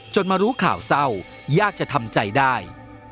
มารู้ข่าวเศร้ายากจะทำใจได้